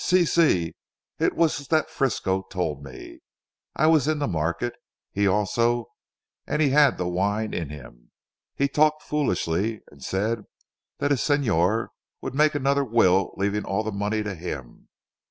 "Si! Si! It was that Frisco told me. I was in the market. He also, and he had the wine in him. He talked foolishly, and said that his Signor would make another will leaving all the money to him.